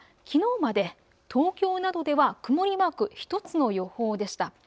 きのうまで東京などでは曇りマーク１つの予報でした。